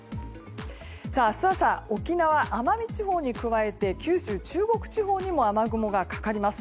明日朝、沖縄、奄美地方に加えて九州、中国地方にも雨雲がかかります。